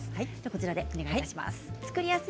こちらでお願いします。